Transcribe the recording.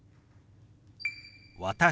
「私」。